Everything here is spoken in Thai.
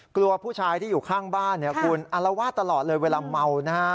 กลัวผู้ชายที่อยู่ข้างบ้านเนี่ยคุณอารวาสตลอดเลยเวลาเมานะฮะ